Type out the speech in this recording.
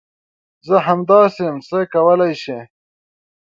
زه همداسي یم ، څه کولی شې ؟